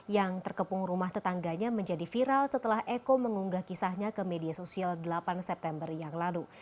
yang terkepung rumah tetangganya menjadi viral setelah eko mengunggah kisahnya ke media sosial delapan september yang lalu